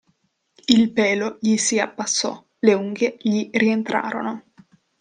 Il pelo gli si abbassò, le unghie gli rientrarono.